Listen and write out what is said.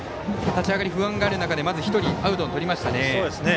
立ち上がり不安がある中でまず１人、アウトをとりましたね。